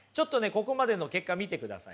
ここまでの結果見てください。